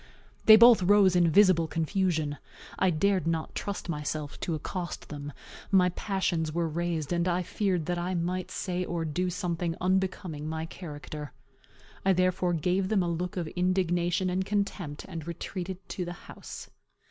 They both rose in visible confusion. I dared not trust myself to accost them. My passions were raised, and I feared that I might say or do something unbecoming my character. I therefore gave them a look of indignation and contempt, and retreated to the house.